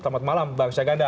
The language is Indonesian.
selamat malam bang syahganda